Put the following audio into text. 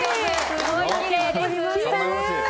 ｃすごいきれいです。